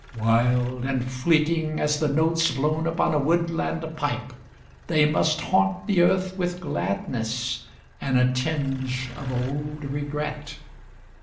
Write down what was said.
Wild and fleeting as the notes Blown upon a woodland pipe, 30 They must haunt the earth with gladness And a tinge of old regret.